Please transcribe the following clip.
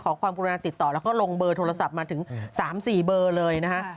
ความกรุณาติดต่อแล้วก็ลงเบอร์โทรศัพท์มาถึง๓๔เบอร์เลยนะคะ